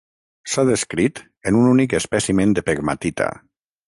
S'ha descrit en un únic espècimen de pegmatita.